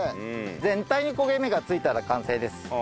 全体に焦げ目がついたら完成です。